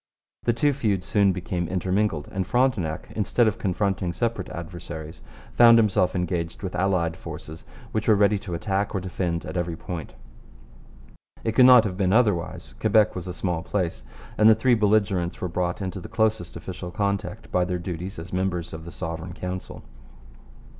The two feuds soon became intermingled, and Frontenac, instead of confronting separate adversaries, found himself engaged with allied forces which were ready to attack or defend at every point. It could not have been otherwise. Quebec was a small place, and the three belligerents were brought into the closest official contact by their duties as members of the Sovereign Council.